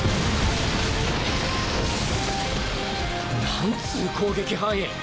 なんつぅ攻撃範囲。